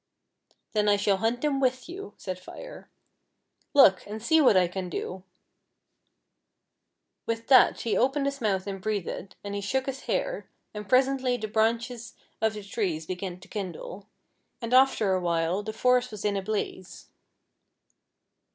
"Then I shall hunt them with > ou," said Fire. " Look, and see what I can do !" With that he opened his mouth and breathed, and he shook his hair, and presently the branches of the H 114 FIRE AND WATER. trees began to kindle, and after a while the forest was in a blaze.